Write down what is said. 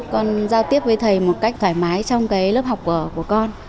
con giao tiếp với thầy một cách thoải mái trong lớp học của con